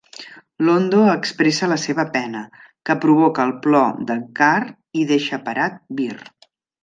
Londo expressa la seva pena, que provoca el plor de G'Kar i deixa parat Vir.